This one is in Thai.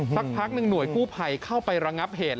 สักพักหนึ่งหน่วยกู้ภัยเข้าไประงับเหตุ